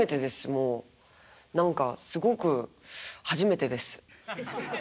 もう何かすごく初めてです。